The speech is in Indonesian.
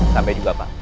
sampai juga pak